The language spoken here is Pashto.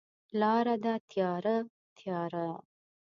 لاره ده تیاره، تیاره